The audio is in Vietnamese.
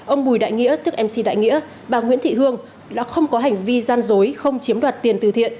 ông bùi đại nghĩa tức mc đại nghĩa bà nguyễn thị hương đã không có hành vi gian dối không chiếm đoạt tiền từ thiện